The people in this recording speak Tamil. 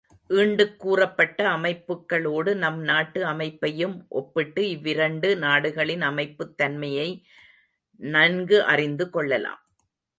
ஈண்டுக் கூறப்பட்ட அமைப்புக்களோடு நம் நாட்டு அமைப்பையும் ஒப்பிட்டு இவ்விரண்டு நாடுகளின் அமைப்புத் தன்மையை நன்கு அறிந்து கொள்ளலாம்.